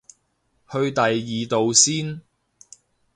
去第二度先